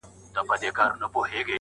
په ارګ کي د کمونستانو